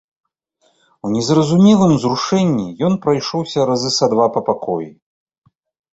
У незразумелым узрушэнні ён прайшоўся разы са два па пакоі.